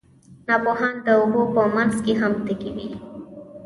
ناپوهان د اوبو په منځ کې هم تږي وي.